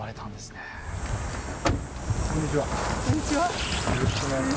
こんにちは。